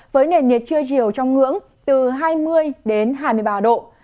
với nền nhiệt chưa chiều trong ngưỡng từ hai mươi đến hai mươi ba độ